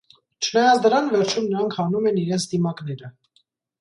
Չնայած դրան վերջում նրանք հանում են իրենց դիմակները։